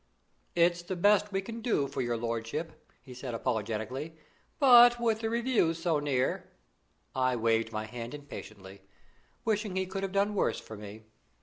"It's the best we can do for your lordship," he said apologetically; "but with the Review so near " I waved my hand impatiently, wishing he could have done worse for me.